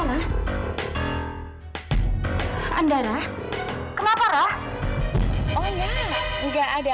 ngapain kamu ngeliatin aku